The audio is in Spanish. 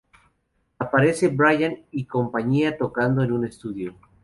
Aparece Brian y compañía tocando en un estudio.